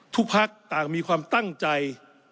พักต่างมีความตั้งใจ